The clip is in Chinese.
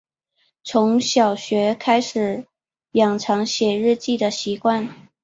从小学开始养成写日记的习惯